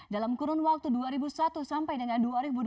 dalam kurun waktu dua ribu satu sampai dengan dua ribu dua puluh